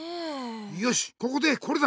よしここでコレだ！